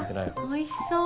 おいしそう！